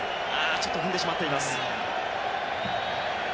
ちょっと踏んでしまっています。